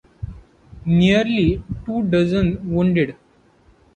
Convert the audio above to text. Nearly two dozen wounded.